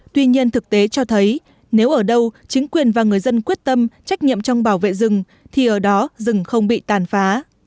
tuy nhiên thực tế cho thấy nếu ở đâu chính quyền và người dân quyết tâm trách nhiệm trong bảo vệ rừng thì ở đó rừng không bị tàn phá